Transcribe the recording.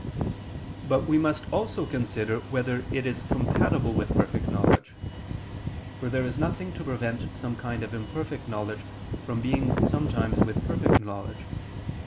But we must also consider whether it is compatible with perfect knowledge: for there is nothing to prevent some kind of imperfect knowledge from being sometimes with perfect knowledge.